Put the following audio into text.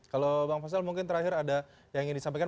kalau bang faisal mungkin terakhir ada yang ingin disampaikan